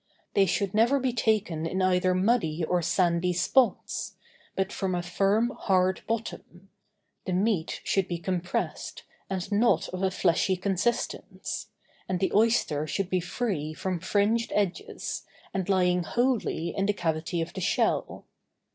They should never be taken in either muddy or sandy spots, but from a firm, hard bottom; the meat should be compressed, and not of a fleshy consistence; and the oyster should be free from fringed edges, and lying wholly in the cavity of the shell.